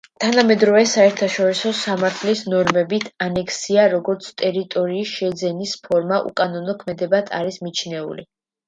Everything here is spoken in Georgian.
თანამედროვე საერთაშორისო სამართლის ნორმებით, ანექსია, როგორც ტერიტორიის შეძენის ფორმა, უკანონო ქმედებად არის მიჩნეული.